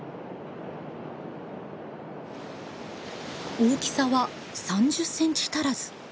大きさは３０センチ足らず。